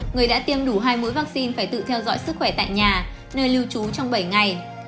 người đã tiêm đủ hai mũi vaccine phải tự theo dõi sức khỏe tại nhà nơi lưu trú trong bảy ngày